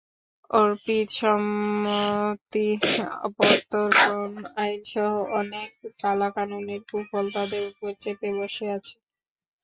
অর্পিত সম্পত্তি প্রত্যর্পণ আইনসহ অনেক কালাকানুনের কুফল তাদের ওপর চেপে বসে আছে।